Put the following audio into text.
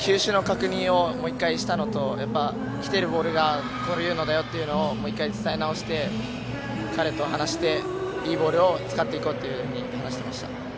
球種の確認をしたのと来ているボールがこういうのだよというのを伝え直して彼といいボールを使っていこうと話しました。